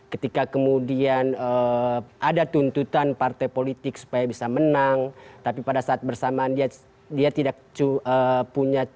ketika kemudian ada tuntutan partai politik supaya bisa menang tapi pada saat bersamaan dia tidak punya